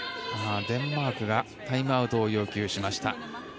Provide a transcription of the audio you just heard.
デンマークがタイムアウトを要求しました。